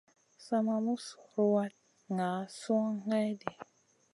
Sa ma mus ruwatn ŋa suan mayɗi.